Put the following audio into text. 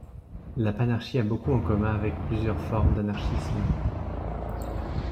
La panarchie a beaucoup en commun avec plusieurs formes d'anarchisme.